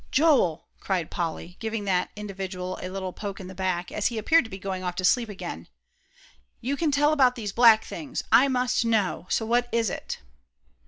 "Joel!" cried Polly, giving that individual a little poke in the back, as he appeared to be going off to sleep again, "you can tell about these black things! I must know; so what is it?"